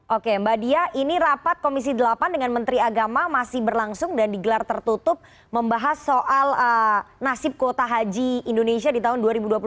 oke mbak dia ini rapat komisi delapan dengan menteri agama masih berlangsung dan digelar tertutup membahas soal nasib kuota haji indonesia di tahun dua ribu dua puluh satu